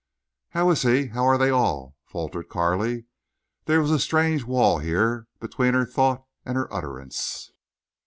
"How is—how are they all?" faltered Carley. There was a strange wall here between her thought and her utterance.